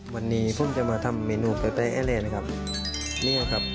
วันนี้พุ่งจะมาทำเมนูไปที่อ่ะเลยนะครับนี่ครับครับ